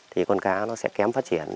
thì con cá nó sẽ kém phát triển